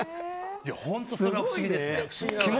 本当、これは不思議ですね。